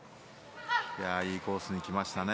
いいコースに来ましたね。